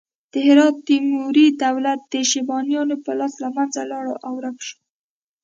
د هرات تیموري دولت د شیبانیانو په لاس له منځه لاړ او ورک شو.